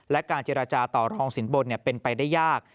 และการเจรจาต่อรองสินบนเป็นไปได้ยาก